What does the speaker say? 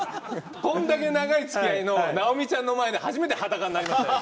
こんだけ長いつきあいの尚美ちゃんの前で初めて裸になりましたよ。